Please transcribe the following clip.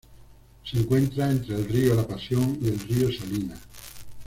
Se encuentra entre el río La Pasión y el río Salinas.